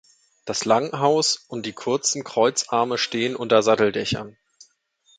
Das Langhaus und die kurzen Kreuzarme stehen unter Satteldächern.